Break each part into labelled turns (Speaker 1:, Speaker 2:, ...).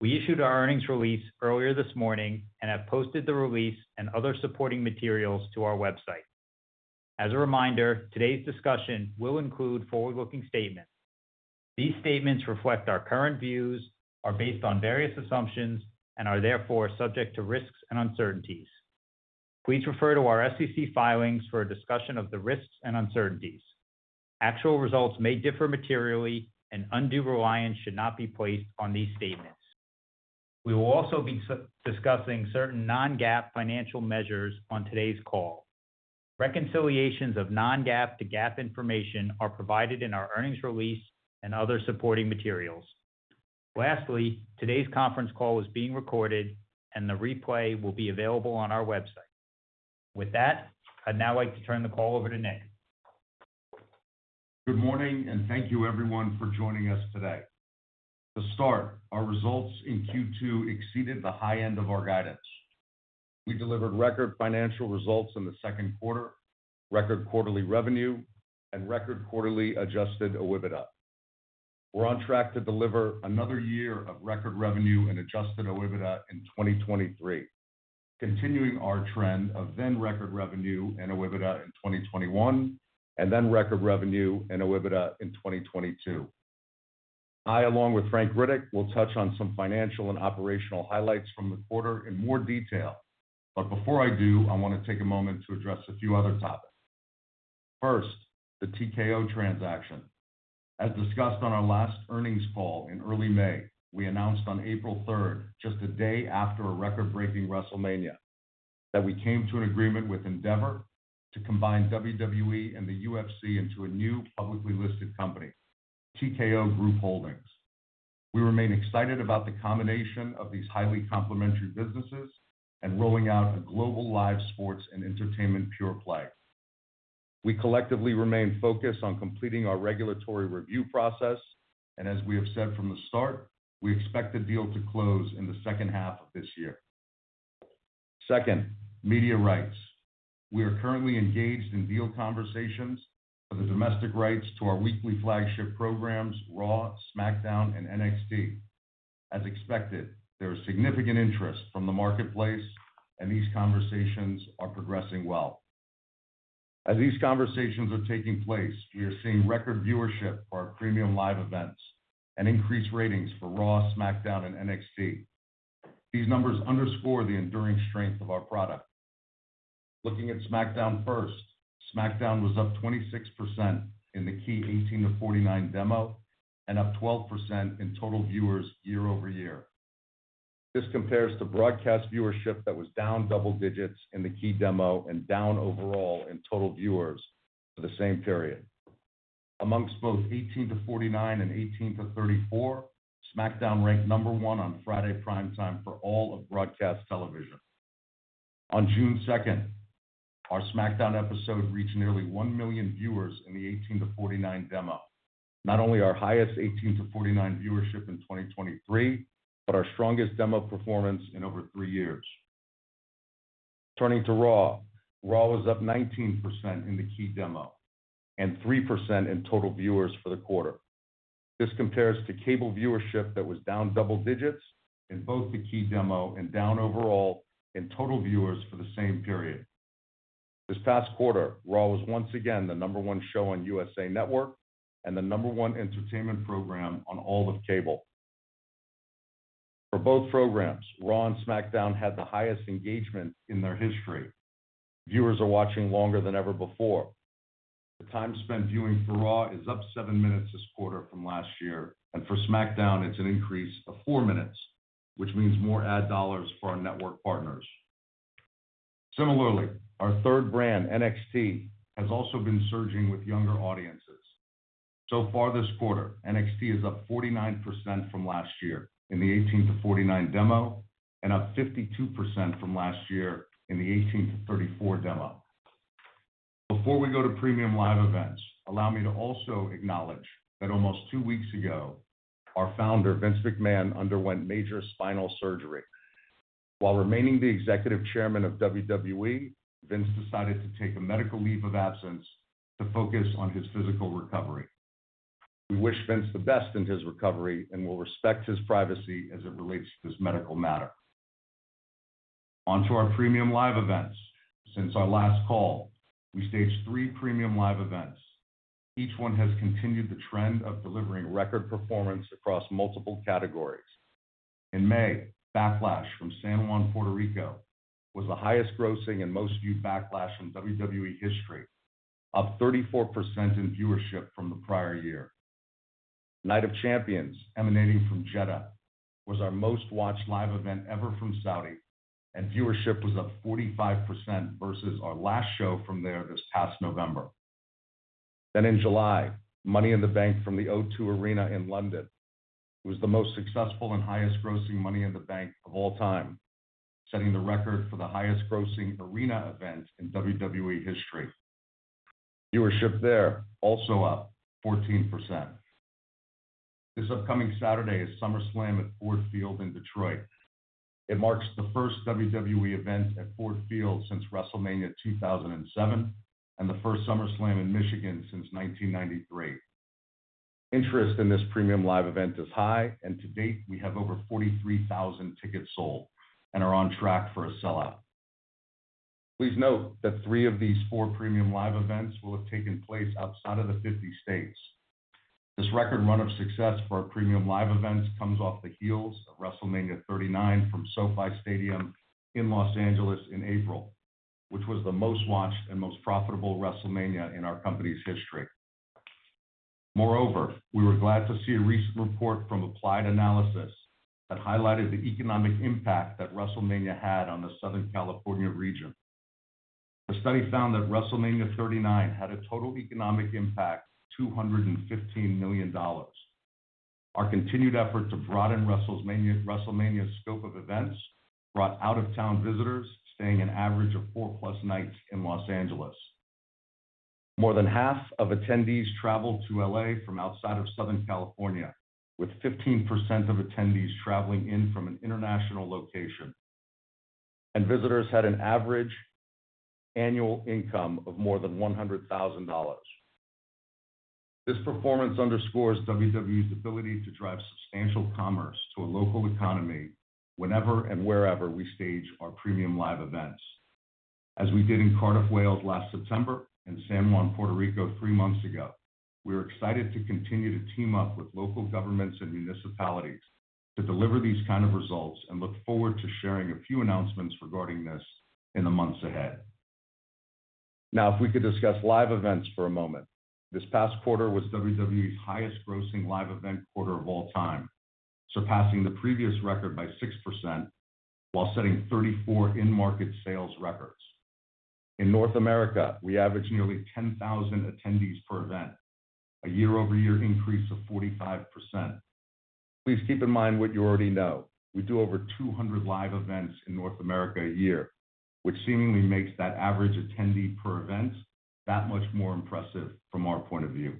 Speaker 1: We issued our earnings release earlier this morning and have posted the release and other supporting materials to our website. As a reminder, today's discussion will include forward-looking statements. These statements reflect our current views, are based on various assumptions, and are therefore subject to risks and uncertainties. Please refer to our SEC filings for a discussion of the risks and uncertainties. Actual results may differ materially, and undue reliance should not be placed on these statements. We will also be discussing certain non-GAAP financial measures on today's call. Reconciliations of non-GAAP to GAAP information are provided in our earnings release and other supporting materials. Lastly, today's conference call is being recorded, and the replay will be available on our website. With that, I'd now like to turn the call over to Nick.
Speaker 2: Good morning. Thank you everyone for joining us today. To start, our results in Q2 exceeded the high end of our guidance. We delivered record financial results in the second quarter, record quarterly revenue, and record quarterly Adjusted OIBDA. We're on track to deliver another year of record revenue and Adjusted OIBDA in 2023, continuing our trend of then record revenue and OIBDA in 2021, and then record revenue and OIBDA in 2022. I, along with Frank Riddick, will touch on some financial and operational highlights from the quarter in more detail. Before I do, I want to take a moment to address a few other topics. First, the TKO transaction. As discussed on our last earnings call in early May, we announced on April 3rd, just a day after a record-breaking WrestleMania, that we came to an agreement with Endeavor to combine WWE and the UFC into a new publicly listed company, TKO Group Holdings. We remain excited about the combination of these highly complementary businesses and rolling out a global live sports and entertainment pure play. We collectively remain focused on completing our regulatory review process, and as we have said from the start, we expect the deal to close in the second half of this year. Second, media rights. We are currently engaged in deal conversations for the domestic rights to our weekly flagship programs, Raw, SmackDown, and NXT. As expected, there is significant interest from the marketplace, these conversations are progressing well. As these conversations are taking place, we are seeing record viewership for our Premium Live Events and increased ratings for Raw, SmackDown, and NXT. These numbers underscore the enduring strength of our product. Looking at SmackDown first. SmackDown was up 26% in the key 18-49 demo and up 12% in total viewers year-over-year. This compares to broadcast viewership that was down double digits in the key demo and down overall in total viewers for the same period. Amongst both 18-49 and 18-34, SmackDown ranked number 1 on Friday prime time for all of broadcast television. On June 2nd, our SmackDown episode reached nearly 1 million viewers in the 18-49 demo. Not only our highest 18-49 viewership in 2023, but our strongest demo performance in over 3 years. Turning to Raw, Raw was up 19% in the key demo and 3% in total viewers for the quarter. This compares to cable viewership that was down double digits in both the key demo and down overall in total viewers for the same period. This past quarter, Raw was once again the number one show on USA Network and the number one entertainment program on all of cable. For both programs, Raw and SmackDown had the highest engagement in their history. Viewers are watching longer than ever before. The time spent viewing for Raw is up seven minutes this quarter from last year, and for SmackDown, it's an increase of four minutes, which means more ad dollars for our network partners. Similarly, our third brand, NXT, has also been surging with younger audiences. Far this quarter, NXT is up 49% from last year in the 18-49 demo and up 52% from last year in the 18-34 demo. Before we go to premium live events, allow me to also acknowledge that almost two weeks ago, our founder, Vince McMahon, underwent major spinal surgery. While remaining the executive chairman of WWE, Vince decided to take a medical leave of absence to focus on his physical recovery. We wish Vince the best in his recovery and will respect his privacy as it relates to this medical matter. On to our premium live events. Since our last call, we staged three premium live events. Each one has continued the trend of delivering record performance across multiple categories. In May, Backlash from San Juan, Puerto Rico, was the highest-grossing and most viewed Backlash in WWE history, up 34% in viewership from the prior year. Night of Champions, emanating from Jeddah, was our most-watched live event ever from Saudi, and viewership was up 45% versus our last show from there this past November. In July, Money in the Bank from the O2 Arena in London, was the most successful and highest-grossing Money in the Bank of all time, setting the record for the highest-grossing arena event in WWE history. Viewership there also up 14%. This upcoming Saturday is SummerSlam at Ford Field in Detroit.... It marks the first WWE event at Ford Field since WrestleMania 2007, and the first SummerSlam in Michigan since 1993. Interest in this Premium Live Event is high. To date, we have over 43,000 tickets sold and are on track for a sellout. Please note that three of these four Premium Live Events will have taken place outside of the 50 states. This record run of success for our Premium Live Events comes off the heels of WrestleMania 39 from SoFi Stadium in Los Angeles in April, which was the most-watched and most profitable WrestleMania in our company's history. We were glad to see a recent report from Applied Analysis that highlighted the economic impact that WrestleMania had on the Southern California region. The study found that WrestleMania 39 had a total economic impact, $215 million. Our continued effort to broaden WrestleMania's scope of events, brought out-of-town visitors staying an average of 4+ nights in Los Angeles. More than half of attendees traveled to L.A. from outside of Southern California, with 15% of attendees traveling in from an international location. Visitors had an average annual income of more than $100,000. This performance underscores WWE's ability to drive substantial commerce to a local economy, whenever and wherever we stage our premium live events. As we did in Cardiff, Wales last September, and San Juan, Puerto Rico, 3 months ago, we are excited to continue to team up with local governments and municipalities to deliver these kind of results and look forward to sharing a few announcements regarding this in the months ahead. Now, if we could discuss live events for a moment. This past quarter was WWE's highest-grossing live event quarter of all time, surpassing the previous record by 6%, while setting 34 in-market sales records. In North America, we averaged nearly 10,000 attendees per event, a year-over-year increase of 45%. Please keep in mind what you already know. We do over 200 live events in North America a year, which seemingly makes that average attendee per event that much more impressive from our point of view.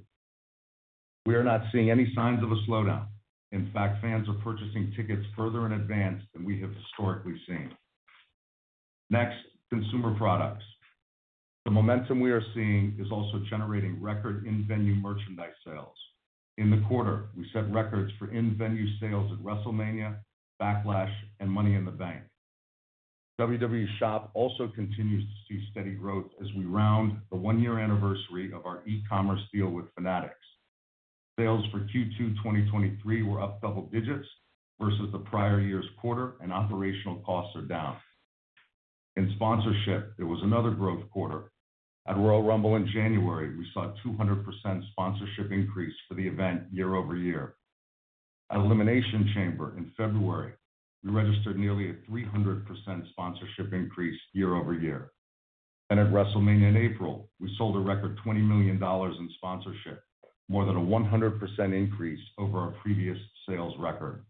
Speaker 2: We are not seeing any signs of a slowdown. In fact, fans are purchasing tickets further in advance than we have historically seen. Next, consumer products. The momentum we are seeing is also generating record in-venue merchandise sales. In the quarter, we set records for in-venue sales at WrestleMania, Backlash, and Money in the Bank. WWE Shop also continues to see steady growth as we round the 1-year anniversary of our e-commerce deal with Fanatics. Sales for Q2 2023 were up double digits versus the prior year's quarter, and operational costs are down. In sponsorship, there was another growth quarter. At Royal Rumble in January, we saw a 200% sponsorship increase for the event year-over-year. At Elimination Chamber in February, we registered nearly a 300% sponsorship increase year-over-year. At WrestleMania in April, we sold a record $20 million in sponsorship, more than a 100% increase over our previous sales record.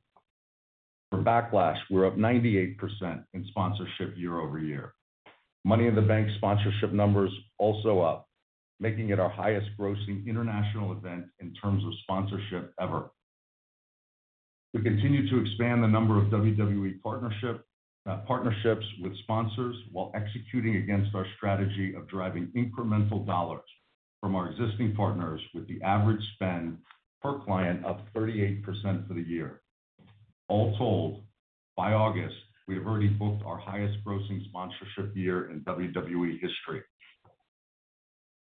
Speaker 2: For Backlash, we're up 98% in sponsorship year-over-year. Money in the Bank sponsorship numbers also up, making it our highest-grossing international event in terms of sponsorship ever. We continue to expand the number of WWE partnership, partnerships with sponsors while executing against our strategy of driving incremental dollars from our existing partners with the average spend per client up 38% for the year. All told, by August, we have already booked our highest grossing sponsorship year in WWE history.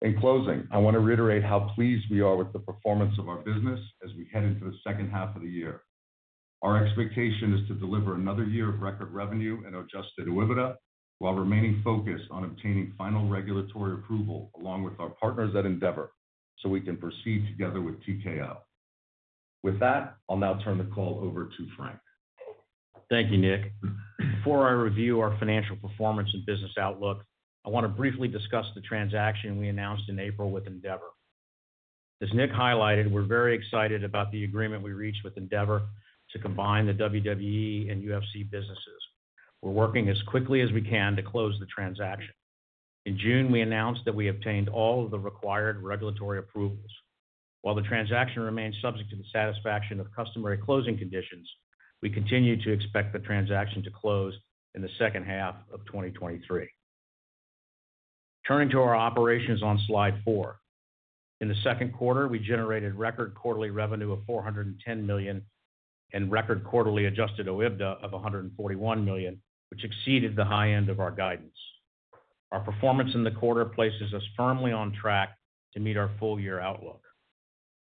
Speaker 2: In closing, I want to reiterate how pleased we are with the performance of our business as we head into the second half of the year. Our expectation is to deliver another year of record revenue and Adjusted OIBDA, while remaining focused on obtaining final regulatory approval, along with our partners at Endeavor, so we can proceed together with TKO. With that, I'll now turn the call over to Frank.
Speaker 3: Thank you, Nick. Before I review our financial performance and business outlook, I want to briefly discuss the transaction we announced in April with Endeavor. As Nick highlighted, we're very excited about the agreement we reached with Endeavor to combine the WWE and UFC businesses. We're working as quickly as we can to close the transaction. In June, we announced that we obtained all of the required regulatory approvals. While the transaction remains subject to the satisfaction of customary closing conditions, we continue to expect the transaction to close in the second half of 2023. Turning to our operations on slide 4. In the second quarter, we generated record quarterly revenue of $410 million, and record quarterly adjusted OIBDA of $141 million, which exceeded the high end of our guidance. Our performance in the quarter places us firmly on track to meet our full-year outlook.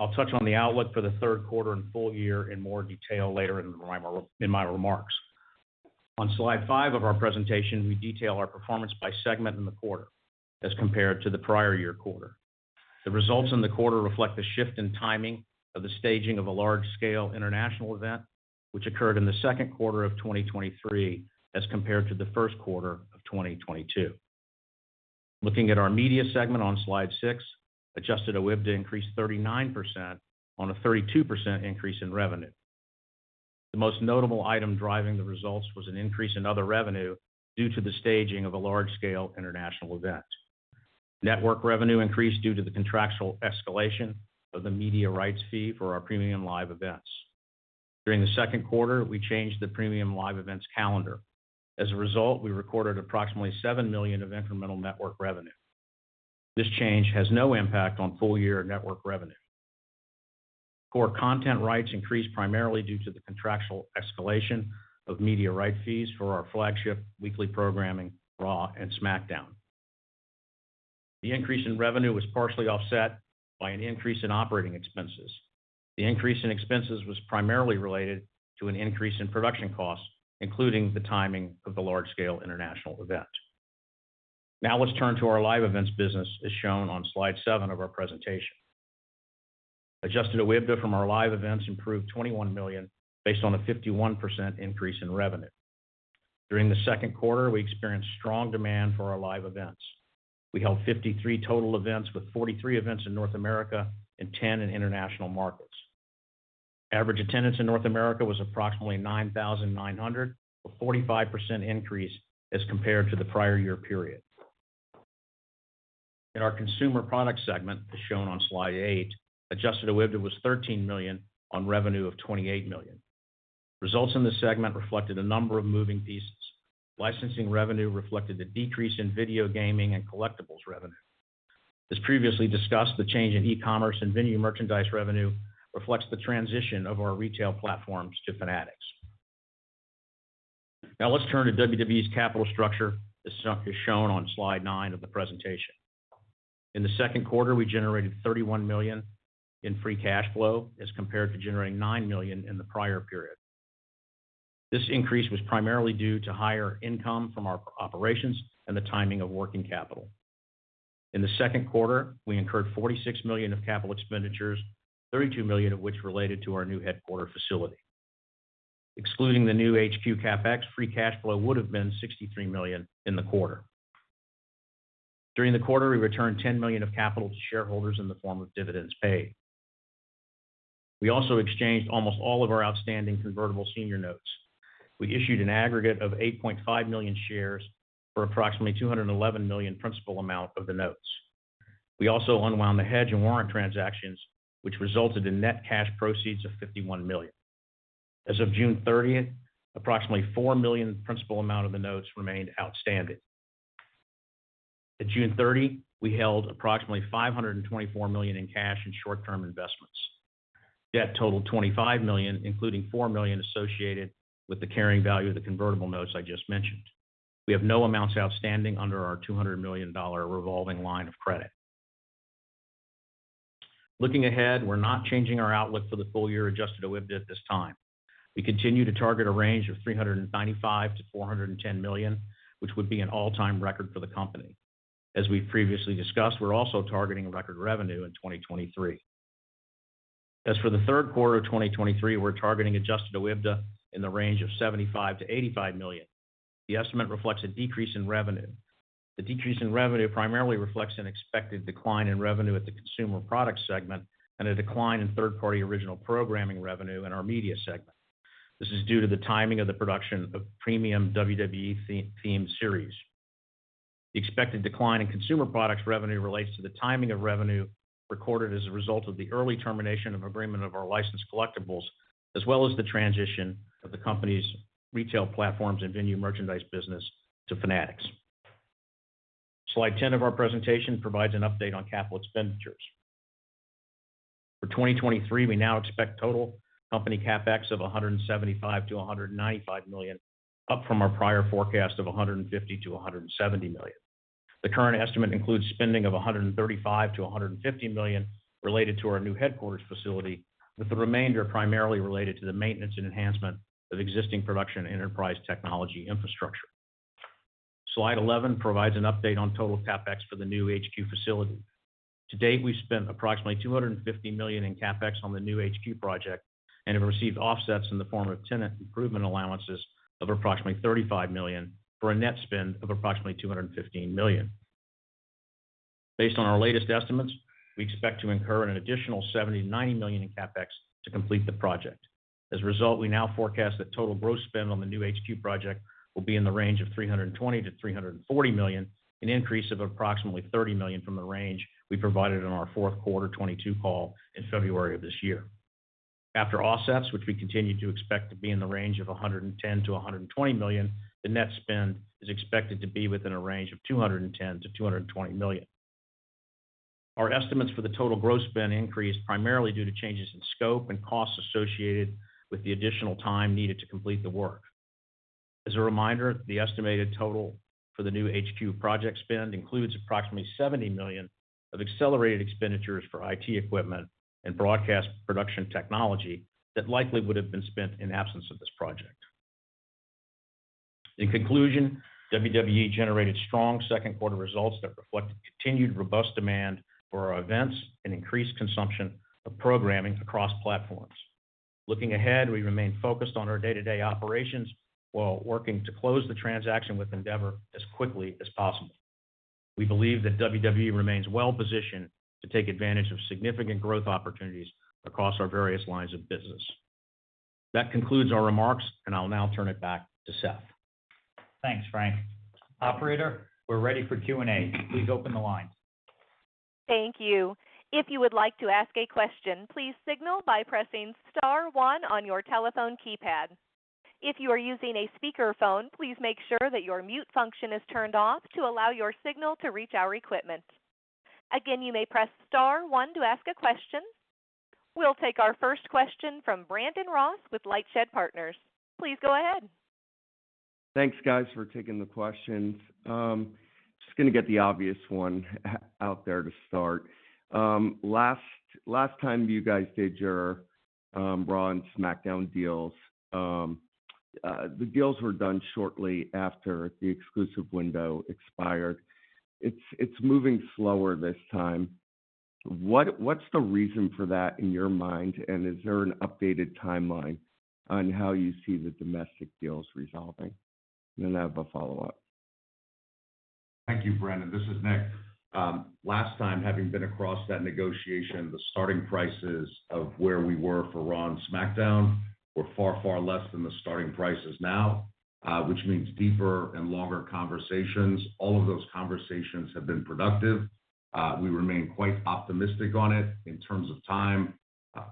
Speaker 3: I'll touch on the outlook for the third quarter and full year in more detail later in my remarks. On slide five of our presentation, we detail our performance by segment in the quarter as compared to the prior year quarter. The results in the quarter reflect the shift in timing of the staging of a large-scale international event, which occurred in the second quarter of 2023, as compared to the first quarter of 2022. Looking at our media segment on slide six, Adjusted OIBDA increased 39% on a 32% increase in revenue. The most notable item driving the results was an increase in other revenue due to the staging of a large-scale international event. Network revenue increased due to the contractual escalation of the media rights fee for our Premium Live Events. During the second quarter, we changed the Premium Live Events calendar. As a result, we recorded approximately $7 million of incremental network revenue. This change has no impact on full-year network revenue. Core content rights increased primarily due to the contractual escalation of media right fees for our flagship weekly programming, RAW and SmackDown. The increase in revenue was partially offset by an increase in operating expenses. The increase in expenses was primarily related to an increase in production costs, including the timing of the large-scale international event. Now let's turn to our Live Events business, as shown on slide 7 of our presentation. Adjusted OIBDA from our Live Events improved $21 million, based on a 51% increase in revenue. During the second quarter, we experienced strong demand for our live events. We held 53 total events, with 43 events in North America and 10 in international markets. Average attendance in North America was approximately 9,900, a 45% increase as compared to the prior year period. In our Consumer Products segment, as shown on slide 8, Adjusted OIBDA was $13 million on revenue of $28 million. Results in this segment reflected a number of moving pieces. Licensing revenue reflected the decrease in video gaming and collectibles revenue. As previously discussed, the change in e-commerce and venue merchandise revenue reflects the transition of our retail platforms to Fanatics. Let's turn to WWE's capital structure, as shown on slide 9 of the presentation. In the second quarter, we generated $31 million in free cash flow, as compared to generating $9 million in the prior period. This increase was primarily due to higher income from our operations and the timing of working capital. In the second quarter, we incurred $46 million of capital expenditures, $32 million of which related to our new headquarter facility. Excluding the new HQ CapEx, free cash flow would have been $63 million in the quarter. During the quarter, we returned $10 million of capital to shareholders in the form of dividends paid. We also exchanged almost all of our outstanding convertible senior notes. We issued an aggregate of 8.5 million shares, for approximately $211 million principal amount of the notes. We also unwound the hedge and warrant transactions, which resulted in net cash proceeds of $51 million. As of June 30th, approximately $4 million principal amount of the notes remained outstanding. At June 30, we held approximately $524 million in cash and short-term investments. Debt totaled $25 million, including $4 million associated with the carrying value of the convertible notes I just mentioned. We have no amounts outstanding under our $200 million revolving line of credit. Looking ahead, we're not changing our outlook for the full-year Adjusted OIBDA at this time. We continue to target a range of $395 million-$410 million, which would be an all-time record for the company. As we previously discussed, we're also targeting a record revenue in 2023. As for the third quarter of 2023, we're targeting Adjusted OIBDA in the range of $75 million-$85 million. The estimate reflects a decrease in revenue. The decrease in revenue primarily reflects an expected decline in revenue at the Consumer Products segment, and a decline in third-party original programming revenue in our Media segment. This is due to the timing of the production of premium WWE-themed series. The expected decline in Consumer Products revenue relates to the timing of revenue recorded as a result of the early termination of agreement of our licensed collectibles, as well as the transition of the company's retail platforms and venue merchandise business to Fanatics. Slide 10 of our presentation provides an update on capital expenditures. For 2023, we now expect total company CapEx of $175 million-$195 million, up from our prior forecast of $150 million-$170 million. The current estimate includes spending of $135 million-$150 million related to our new headquarters facility, with the remainder primarily related to the maintenance and enhancement of existing production and enterprise technology infrastructure. Slide 11 provides an update on total CapEx for the new HQ facility. To date, we've spent approximately $250 million in CapEx on the new HQ project and have received offsets in the form of tenant improvement allowances of approximately $35 million, for a net spend of approximately $215 million. Based on our latest estimates, we expect to incur an additional $70 million-$90 million in CapEx to complete the project. As a result, we now forecast that total gross spend on the new HQ project will be in the range of $320 million-$340 million, an increase of approximately $30 million from the range we provided in our fourth quarter 2022 call in February of this year. After offsets, which we continue to expect to be in the range of $110 million-$120 million, the net spend is expected to be within a range of $210 million-$220 million. Our estimates for the total gross spend increased primarily due to changes in scope and costs associated with the additional time needed to complete the work. As a reminder, the estimated total for the new HQ project spend includes approximately $70 million of accelerated expenditures for IT equipment and broadcast production technology that likely would have been spent in absence of this project. In conclusion, WWE generated strong second quarter results that reflect the continued robust demand for our events and increased consumption of programming across platforms. Looking ahead, we remain focused on our day-to-day operations while working to close the transaction with Endeavor as quickly as possible. We believe that WWE remains well positioned to take advantage of significant growth opportunities across our various lines of business. That concludes our remarks, and I'll now turn it back to Seth.
Speaker 1: Thanks, Frank. Operator, we're ready for Q&A. Please open the line.
Speaker 4: Thank you. If you would like to ask a question, please signal by pressing star one on your telephone keypad. If you are using a speakerphone, please make sure that your mute function is turned off to allow your signal to reach our equipment. Again, you may press star one to ask a question. We'll take our first question from Brandon Ross with LightShed Partners. Please go ahead.
Speaker 5: Thanks, guys, for taking the questions. Just gonna get the obvious one out there to start. Last time you guys did your Raw and SmackDown deals, the deals were done shortly after the exclusive window expired. It's moving slower this time. What's the reason for that in your mind? Is there an updated timeline on how you see the domestic deals resolving? Then I have a follow-up.
Speaker 2: Thank you, Brandon. This is Nick. Last time, having been across that negotiation, the starting prices of where we were for Raw and SmackDown we're far, far less than the starting prices now, which means deeper and longer conversations. All of those conversations have been productive. We remain quite optimistic on it. In terms of time,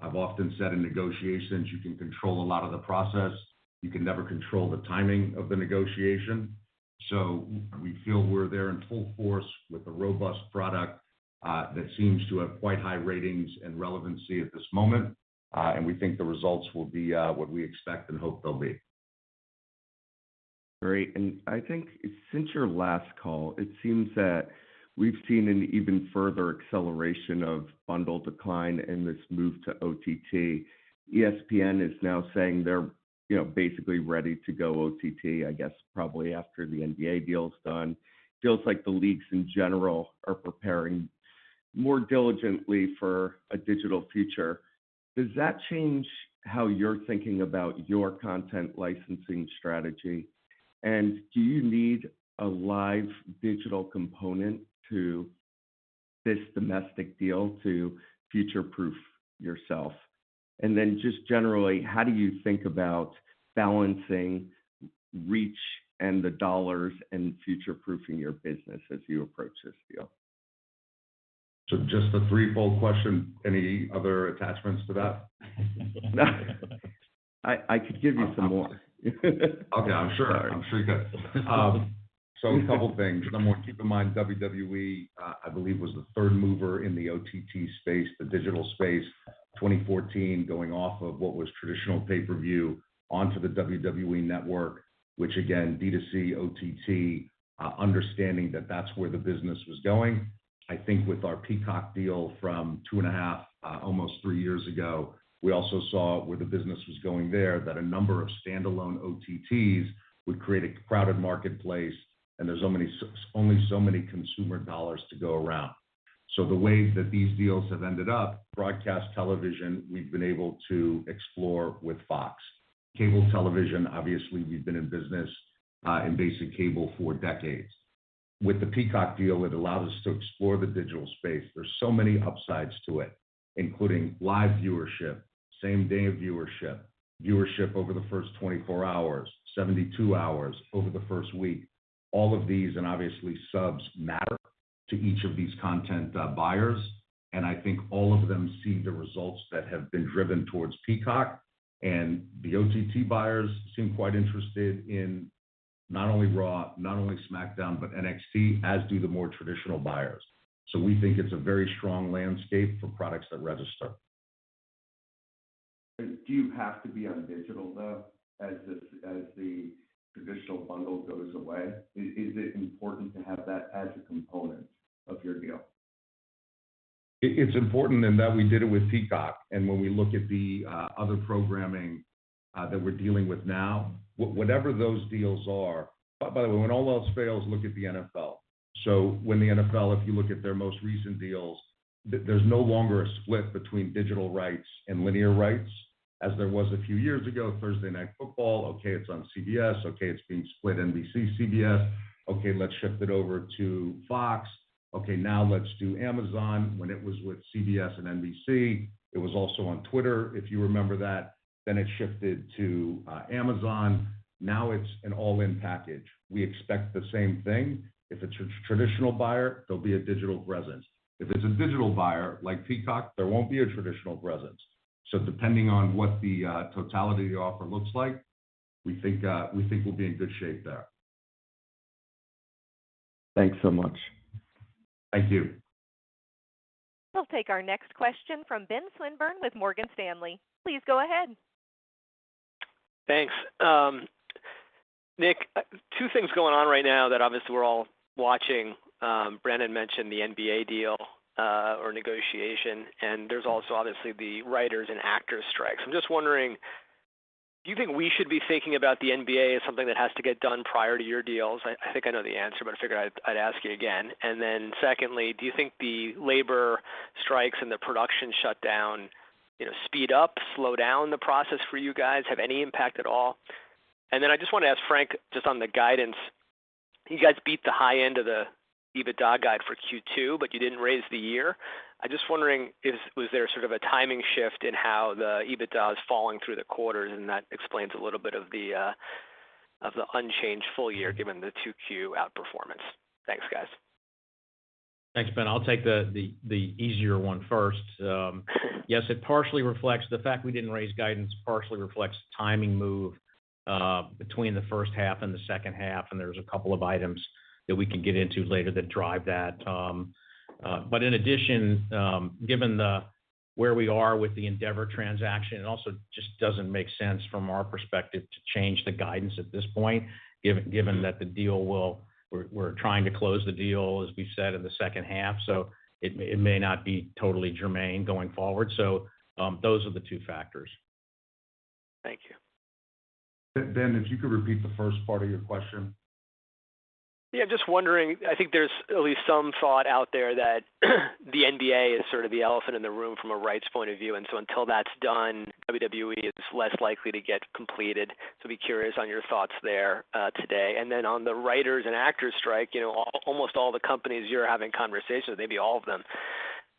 Speaker 2: I've often said in negotiations, you can control a lot of the process. You can never control the timing of the negotiation. We feel we're there in full force with a robust product that seems to have quite high ratings and relevancy at this moment. We think the results will be what we expect and hope they'll be.
Speaker 5: Great. I think since your last call, it seems that we've seen an even further acceleration of bundle decline and this move to OTT. ESPN is now saying they're, you know, basically ready to go OTT, I guess, probably after the NBA deal is done. Feels like the leagues in general are preparing more diligently for a digital future. Does that change how you're thinking about your content licensing strategy? Do you need a live digital component to this domestic deal to future-proof yourself? Then just generally, how do you think about balancing reach and the dollars and future-proofing your business as you approach this deal?
Speaker 2: Just a threefold question. Any other attachments to that?
Speaker 5: I could give you some more.
Speaker 2: Okay, I'm sure. I'm sure you could. A couple of things. Number 1, keep in mind, WWE, I believe, was the third mover in the OTT space, the digital space, 2014, going off of what was traditional pay-per-view onto the WWE Network, which again, D2C, OTT, understanding that that's where the business was going. I think with our Peacock deal from 2.5, almost three years ago, we also saw where the business was going there, that a number of standalone OTTs would create a crowded marketplace, and there's only so many consumer dollars to go around. The ways that these deals have ended up, broadcast television, we've been able to explore with Fox. Cable television, obviously, we've been in business, in basic cable for decades. With the Peacock deal, it allows us to explore the digital space. There's so many upsides to it, including live viewership, same day of viewership, viewership over the first 24 hours, 72 hours, over the first week. Obviously, subs matter to each of these content, buyers, and I think all of them see the results that have been driven towards Peacock. The OTT buyers seem quite interested in not only Raw, not only SmackDown, but NXT, as do the more traditional buyers. We think it's a very strong landscape for products that register.
Speaker 5: Do you have to be on digital, though, as this, as the traditional bundle goes away? Is, is it important to have that as a component of your deal?
Speaker 2: It's important, and that we did it with Peacock, and when we look at the other programming, that we're dealing with now, whatever those deals are. By the way, when all else fails, look at the NFL. When the NFL, if you look at their most recent deals, there's no longer a split between digital rights and linear rights as there was a few years ago, Thursday Night Football. Okay, it's on CBS. Okay, it's being split NBC, CBS. Okay, let's shift it over to Fox. Okay, now let's do Amazon. When it was with CBS and NBC, it was also on Twitter, if you remember that, then it shifted to Amazon. Now it's an all-in package. We expect the same thing. If it's a traditional buyer, there'll be a digital presence. If it's a digital buyer like Peacock, there won't be a traditional presence. Depending on what the totality offer looks like, we think we'll be in good shape there.
Speaker 5: Thanks so much.
Speaker 2: Thank you.
Speaker 4: We'll take our next question from Benjamin Swinburne with Morgan Stanley. Please go ahead.
Speaker 6: Thanks. Nick, two things going on right now that obviously we're all watching. Brandon mentioned the NBA deal or negotiation, there's also obviously the writers and actors strikes. I'm just wondering, do you think we should be thinking about the NBA as something that has to get done prior to your deals? I, I think I know the answer, but I figured I'd, I'd ask you again. Then secondly, do you think the labor strikes and the production shutdown, you know, speed up, slow down the process for you guys, have any impact at all? Then I just want to ask Frank, just on the guidance. You guys beat the high end of the EBITDA guide for Q2, but you didn't raise the year. I'm just wondering, is, was there sort of a timing shift in how the EBITDA is falling through the quarters, and that explains a little bit of the, of the unchanged full year, given the 2 Q outperformance? Thanks, guys.
Speaker 3: Thanks, Ben. I'll take the, the, the easier one first. Yes, the fact we didn't raise guidance partially reflects timing move between the first half and the second half, and there's a couple of items that we can get into later that drive that. But in addition, given the, where we are with the Endeavor transaction, it also just doesn't make sense from our perspective to change the guidance at this point, given, given that the deal will- we're, we're trying to close the deal, as we've said, in the second half. It may, it may not be totally germane going forward. Those are the two factors.
Speaker 6: Thank you.
Speaker 2: Ben, if you could repeat the first part of your question?
Speaker 6: Yeah, just wondering. I think there's at least some thought out there that the NBA is sort of the elephant in the room from a rights point of view. So until that's done, WWE is less likely to get completed. So I'd be curious on your thoughts there today. Then on the writers and actors strike, you know, almost all the companies you're having conversations, maybe all of them,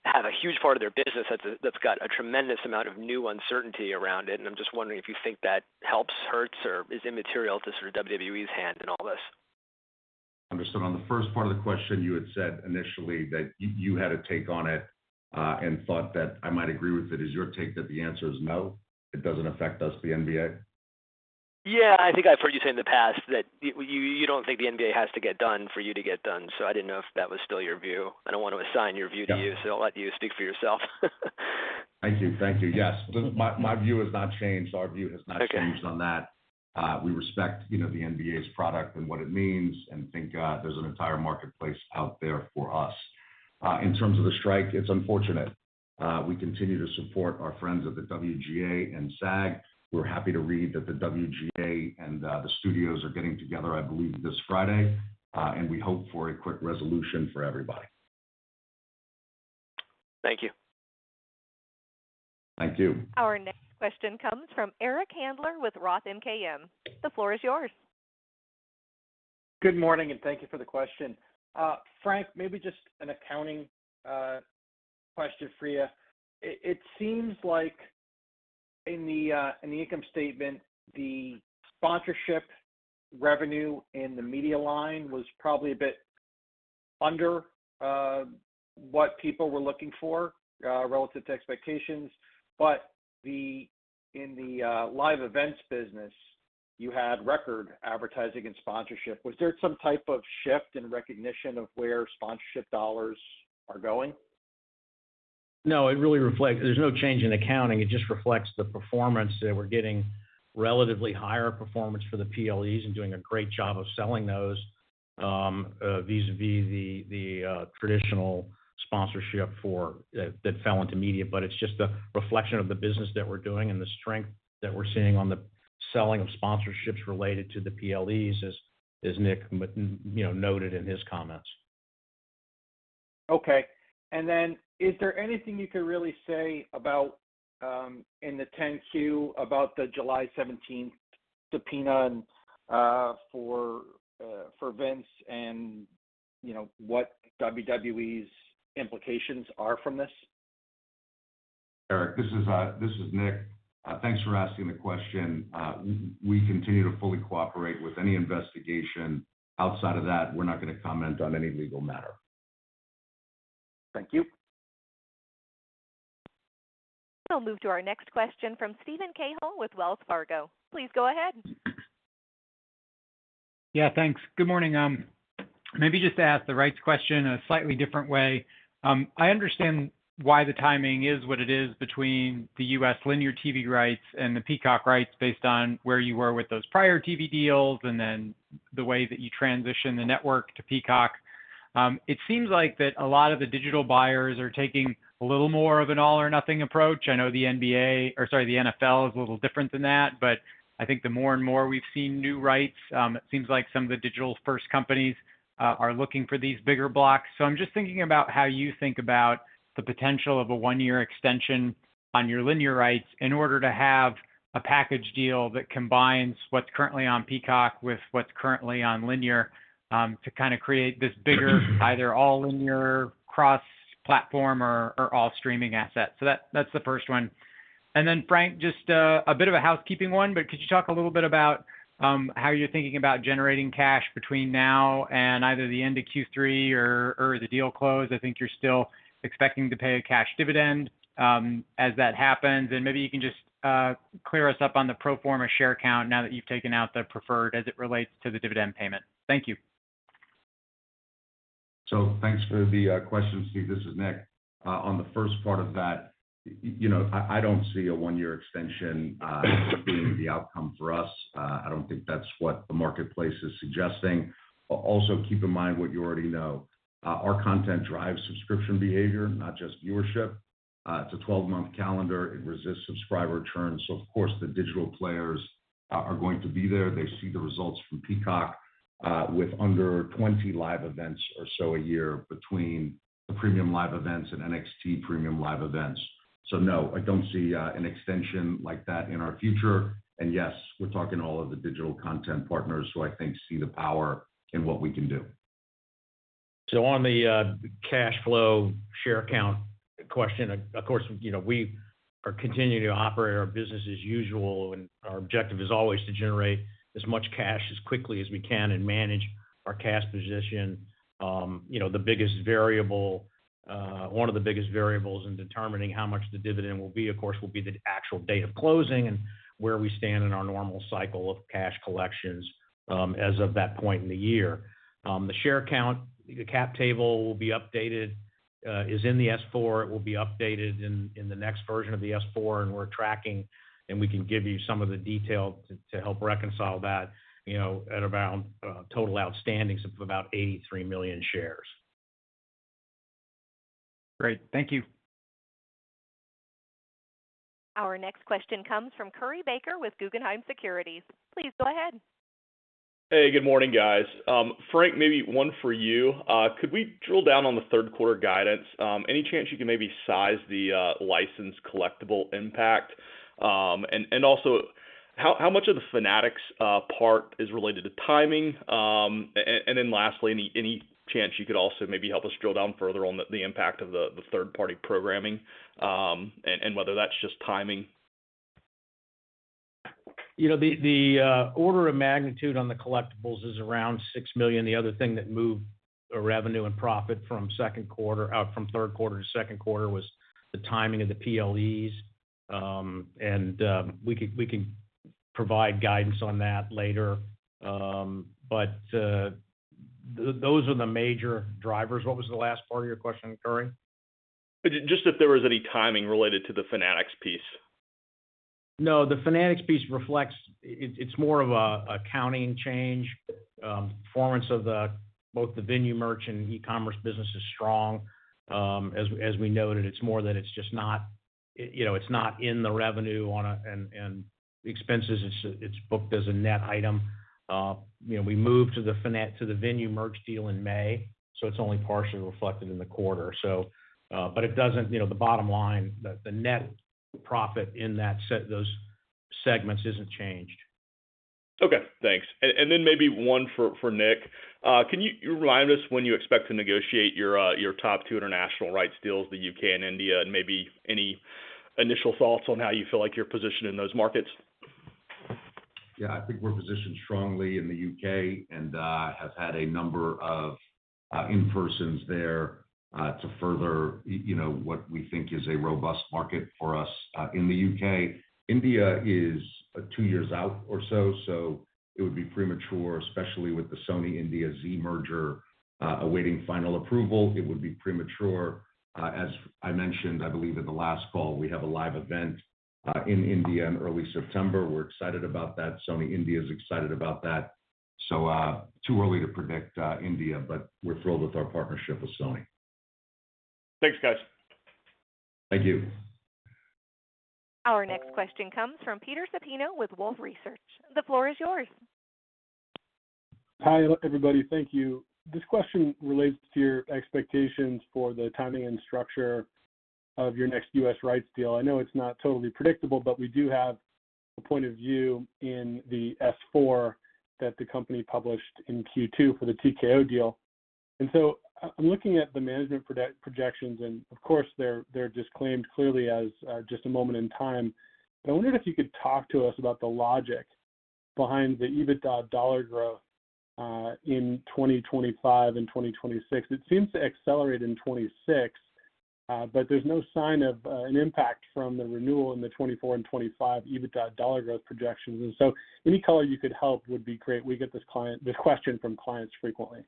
Speaker 6: have a huge part of their business that's, that's got a tremendous amount of new uncertainty around it. I'm just wondering if you think that helps, hurts, or is immaterial to sort of WWE's hand in all this?
Speaker 2: Understood. On the first part of the question, you had said initially that you had a take on it, and thought that I might agree with it. Is your take that the answer is no, it doesn't affect us, the NBA?
Speaker 6: Yeah, I think I've heard you say in the past that you don't think the NBA has to get done for you to get done, so I didn't know if that was still your view. I don't want to assign your view to you-
Speaker 2: Yeah...
Speaker 6: so I'll let you speak for yourself.
Speaker 2: Thank you. Thank you. Yes, my, my view has not changed. Our view has not changed on that.
Speaker 6: Okay.
Speaker 2: We respect, you know, the NBA's product and what it means, and think there's an entire marketplace out there for us. In terms of the strike, it's unfortunate. We continue to support our friends at the WGA and SAG. We're happy to read that the WGA and the studios are getting together, I believe, this Friday, and we hope for a quick resolution for everybody.
Speaker 6: Thank you.
Speaker 2: Thank you.
Speaker 4: Our next question comes from Eric Handler with ROTH MKM. The floor is yours.
Speaker 7: Good morning, thank you for the question. Frank, maybe just an accounting question for you. It seems like in the income statement, the sponsorship revenue in the media line was probably a bit under what people were looking for relative to expectations. In the live events business, you had record advertising and sponsorship. Was there some type of shift in recognition of where sponsorship dollars are going?
Speaker 3: No, it really reflects. There's no change in accounting. It just reflects the performance. That we're getting relatively higher performance for the PLEs and doing a great job of selling those vis-a-vis the traditional sponsorship for that fell into media. It's just a reflection of the business that we're doing and the strength that we're seeing on the selling of sponsorships related to the PLEs, as, as Nick, you know, noted in his comments.
Speaker 7: Okay. Then is there anything you could really say about, in the 10-Q, about the July 17th subpoena, for, for Vince and, you know, what WWE's implications are from this?
Speaker 2: Eric, this is Nick. Thanks for asking the question. We continue to fully cooperate with any investigation. Outside of that, we're not gonna comment on any legal matter.
Speaker 7: Thank you.
Speaker 4: We'll move to our next question from Steven Cahill with Wells Fargo. Please go ahead.
Speaker 8: Yeah, thanks. Good morning. Maybe just to ask the rights question in a slightly different way. I understand why the timing is what it is between the U.S. linear TV rights and the Peacock rights, based on where you were with those prior TV deals, and then the way that you transition the network to Peacock. It seems like that a lot of the digital buyers are taking a little more of an all or nothing approach. I know the NBA, or sorry, the NFL is a little different than that, but I think the more and more we've seen new rights, it seems like some of the digital-first companies are looking for these bigger blocks. I'm just thinking about how you think about the potential of a one-year extension on your linear rights in order to have a package deal that combines what's currently on Peacock with what's currently on linear, to kind of create this bigger, either all linear, cross-platform or, or all streaming assets. That, that's the first one. Then, Frank, just a, a bit of a housekeeping one, but could you talk a little bit about, how you're thinking about generating cash between now and either the end of Q3 or, or the deal close? I think you're still expecting to pay a cash dividend, as that happens. Maybe you can just clear us up on the pro forma share count now that you've taken out the preferred as it relates to the dividend payment. Thank you.
Speaker 2: Thanks for the question, Steve. This is Nick. On the first part of that, you know, I, I don't see a 1-year extension being the outcome for us. I don't think that's what the marketplace is suggesting. Also, keep in mind what you already know. Our content drives subscription behavior, not just viewership. It's a 12-month calendar. It resists subscriber churn, so of course, the digital players are, are going to be there. They see the results from Peacock with under 20 live events or so a year between the premium live events and NXT premium live events. No, I don't see an extension like that in our future. Yes, we're talking to all of the digital content partners who I think see the power in what we can do.
Speaker 3: On the cash flow share count question, of course, you know, we are continuing to operate our business as usual, and our objective is always to generate as much cash as quickly as we can and manage our cash position. You know, the biggest variable, one of the biggest variables in determining how much the dividend will be, of course, will be the actual date of closing and where we stand in our normal cycle of cash collections, as of that point in the year. The share count, the cap table will be updated, is in the S-4. It will be updated in the next version of the S-4, and we're tracking, and we can give you some of the detail to help reconcile that, you know, at around total outstandings of about 83 million shares.
Speaker 8: Great. Thank you.
Speaker 4: Our next question comes from Curry Baker with Guggenheim Securities. Please go ahead.
Speaker 9: Hey, good morning, guys. Frank, maybe one for you. Could we drill down on the third quarter guidance? Any chance you can maybe size the license collectible impact? Also, how, how much of the Fanatics part is related to timing? Then lastly, any, any chance you could also maybe help us drill down further on the impact of the third-party programming, and whether that's just timing?
Speaker 3: You know, the, the order of magnitude on the collectibles is around 6 million. The other thing that moved the revenue and profit from second quarter-- from third quarter to second quarter, was the timing of the PLEs. We can, we can provide guidance on that later. Those are the major drivers. What was the last part of your question, Curry?
Speaker 9: Just if there was any timing related to the Fanatics piece.
Speaker 3: No, the Fanatics piece reflects. It's more of a accounting change. Performance of both the venue merch and e-commerce business is strong. As we noted, it's more that it's just not, you know, it's not in the revenue and expenses, it's booked as a net item. You know, we moved to the venue merch deal in May, so it's only partially reflected in the quarter. But it doesn't, you know, the bottom line, the net profit in that those segments isn't changed.
Speaker 9: Okay, thanks. Then maybe one for Nick. Can you remind us when you expect to negotiate your top 2 international rights deals, the U.K. and India, and maybe any initial thoughts on how you feel like you're positioned in those markets?
Speaker 2: Yeah. I think we're positioned strongly in the U.K. and have had a number of in-persons there to further, you know, what we think is a robust market for us in the U.K. India is two years out or so, so it would be premature, especially with the Sony India Zee merger awaiting final approval, it would be premature. As I mentioned, I believe in the last call, we have a live event in India in early September. We're excited about that. Sony India is excited about that. Too early to predict India, but we're thrilled with our partnership with Sony.
Speaker 9: Thanks, guys.
Speaker 2: Thank you.
Speaker 4: Our next question comes from Peter Supino with Wolfe Research. The floor is yours.
Speaker 10: Hi, everybody. Thank you. This question relates to your expectations for the timing and structure of your next US rights deal. I know it's not totally predictable, but we do have a point of view in the S-4 that the company published in Q2 for the TKO deal. I'm looking at the management projections, and of course, they're, they're disclaimed clearly as just a moment in time. I wondered if you could talk to us about the logic behind the EBITDA dollar growth in 2025 and 2026. It seems to accelerate in 2026, but there's no sign of an impact from the renewal in the 2024 and 2025 EBITDA dollar growth projections. Any color you could help would be great. We get this question from clients frequently.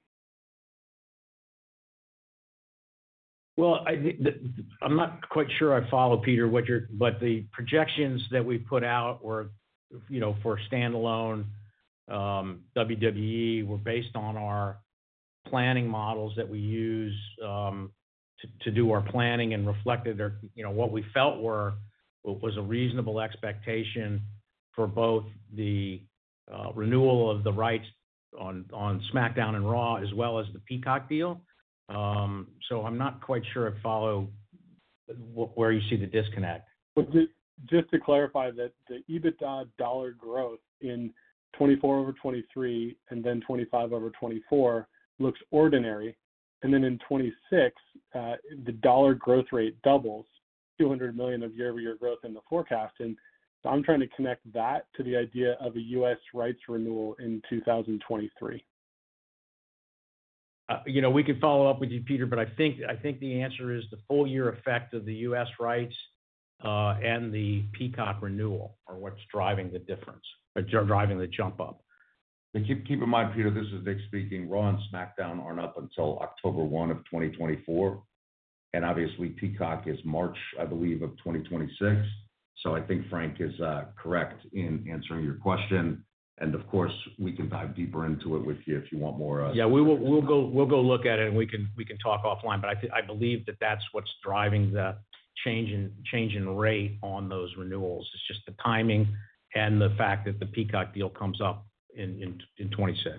Speaker 3: Well, I think the... I'm not quite sure I follow, Peter. The projections that we put out were, you know, for standalone WWE, were based on our planning models that we use to do our planning and reflected, you know, what we felt was a reasonable expectation for both the renewal of the rights on SmackDown and Raw, as well as the Peacock deal. I'm not quite sure I follow where you see the disconnect.
Speaker 10: Just to clarify that the EBITDA dollar growth in 2024 over 2023 and then 2025 over 2024 looks ordinary, and then in 2026, the dollar growth rate doubles, $200 million of year-over-year growth in the forecast. I'm trying to connect that to the idea of a U.S. rights renewal in 2023.
Speaker 3: You know, we could follow up with you, Peter, but I think, I think the answer is the full year effect of the U.S. rights, and the Peacock renewal are what's driving the difference, are driving the jump up.
Speaker 2: Keep, keep in mind, Peter, this is Nick speaking. Raw and SmackDown aren't up until October 1, 2024, and obviously, Peacock is March, I believe, 2026. I think Frank is correct in answering your question, and of course, we can dive deeper into it with you if you want more.
Speaker 3: Yeah, we'll go look at it. We can talk offline. I believe that that's what's driving the change in rate on those renewals. It's just the timing and the fact that the Peacock deal comes up in 2026.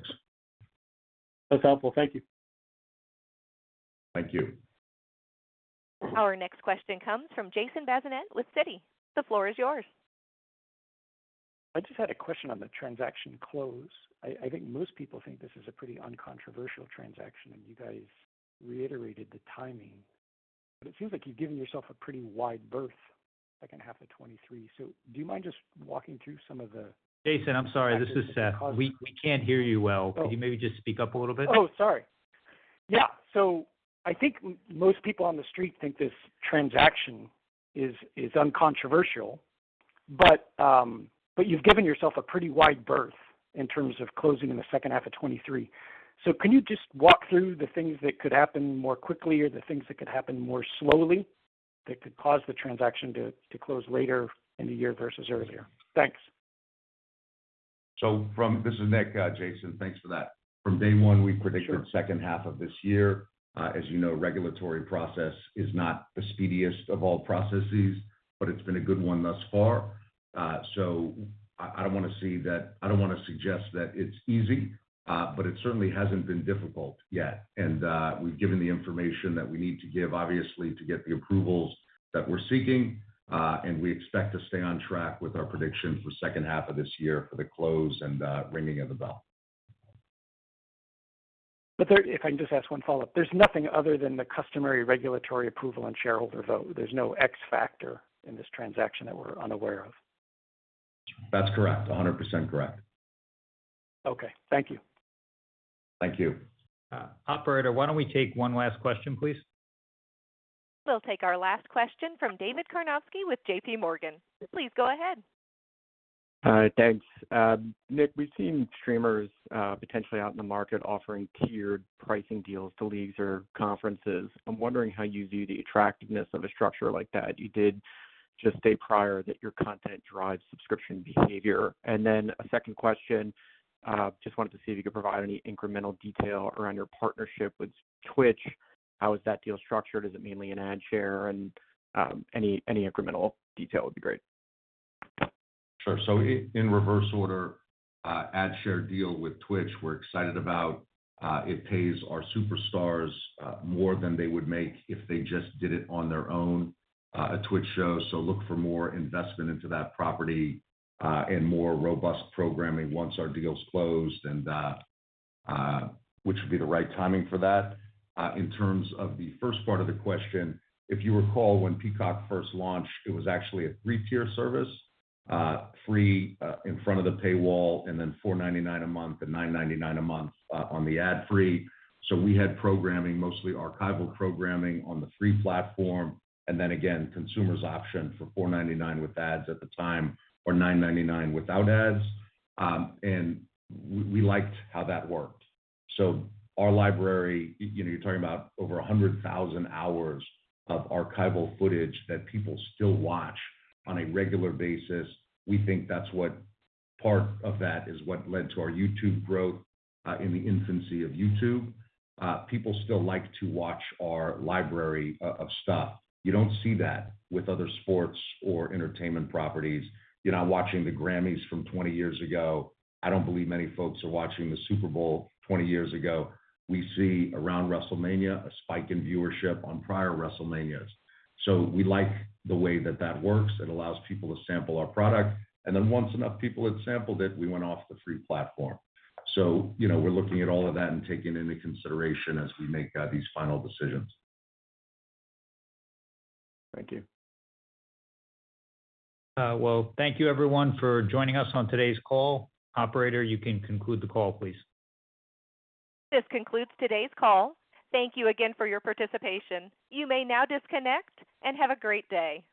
Speaker 10: That's helpful. Thank you.
Speaker 2: Thank you.
Speaker 4: Our next question comes from Jason Bazinet with Citi. The floor is yours.
Speaker 11: I just had a question on the transaction close. I think most people think this is a pretty uncontroversial transaction, and you guys reiterated the timing. It seems like you've given yourself a pretty wide berth, second half of 2023. Do you mind just walking through some of the-
Speaker 1: Jason, I'm sorry, this is Seth. We, we can't hear you well.
Speaker 11: Oh.
Speaker 1: Could you maybe just speak up a little bit?
Speaker 11: Oh, sorry. Yeah, I think most people on the street think this transaction is, is uncontroversial. You've given yourself a pretty wide berth in terms of closing in the second half of 2023. Can you just walk through the things that could happen more quickly or the things that could happen more slowly, that could cause the transaction to, to close later in the year versus earlier? Thanks.
Speaker 2: This is Nick, Jason, thanks for that.
Speaker 11: Sure.
Speaker 2: From day one, we predicted second half of this year. As you know, regulatory process is not the speediest of all processes, but it's been a good one thus far. So I don't wanna suggest that it's easy, but it certainly hasn't been difficult yet. We've given the information that we need to give, obviously, to get the approvals that we're seeking. We expect to stay on track with our predictions for second half of this year for the close and ringing of the bell.
Speaker 11: If I can just ask one follow-up. There's nothing other than the customary regulatory approval and shareholder vote. There's no X factor in this transaction that we're unaware of?
Speaker 2: That's correct. 100% correct.
Speaker 11: Okay. Thank you.
Speaker 2: Thank you.
Speaker 1: Operator, why don't we take one last question, please?
Speaker 4: We'll take our last question from David Karnovsky with JP Morgan. Please go ahead.
Speaker 12: Thanks. Nick, we've seen streamers potentially out in the market offering tiered pricing deals to leagues or conferences. I'm wondering how you view the attractiveness of a structure like that. You did just state prior that your content drives subscription behavior. A second question, just wanted to see if you could provide any incremental detail around your partnership with Twitch. How is that deal structured? Is it mainly an ad share? Any incremental detail would be great.
Speaker 2: Sure. i- In reverse order, ad share deal with Twitch, we're excited about. It pays our superstars more than they would make if they just did it on their own, a Twitch show. Look for more investment into that property, and more robust programming once our deal's closed, and which would be the right timing for that. In terms of the first part of the question, if you recall, when Peacock first launched, it was actually a 3-tier service. Free in front of the paywall, and then $4.99 a month, and $9.99 a month, on the ad-free. We had programming, mostly archival programming, on the free platform, and then again, consumers option for $4.99 with ads at the time, or $9.99 without ads. And w- we liked how that worked. Our library, you know, you're talking about over 100,000 hours of archival footage that people still watch on a regular basis. We think that's what, part of that, is what led to our YouTube growth in the infancy of YouTube. People still like to watch our library of stuff. You don't see that with other sports or entertainment properties. You're not watching the Grammys from 20 years ago. I don't believe many folks are watching the Super Bowl 20 years ago. We see around WrestleMania, a spike in viewership on prior WrestleManias. We like the way that that works. It allows people to sample our product, and then once enough people had sampled it, we went off the free platform. You know, we're looking at all of that and taking into consideration as we make these final decisions.
Speaker 12: Thank you.
Speaker 1: Well, thank you everyone for joining us on today's call. Operator, you can conclude the call, please.
Speaker 4: This concludes today's call. Thank you again for your participation. You may now disconnect and have a great day.